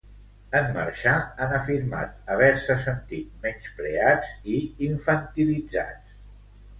En marxar, han afirmat haver-se sentit menyspreats i infantilitzats.